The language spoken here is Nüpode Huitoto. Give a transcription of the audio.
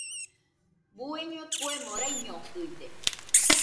Bueñe kuemo raiñokɨide